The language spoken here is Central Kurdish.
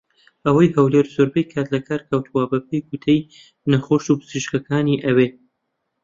ئەوەی هەولێر زۆربەی کات لە کار کەوتووە بە پێی گوتەی نەخۆش و پزیشکانی ئەوێ